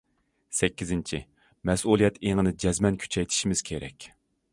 سەككىزىنچى، مەسئۇلىيەت ئېڭىنى جەزمەن كۈچەيتىشىمىز كېرەك.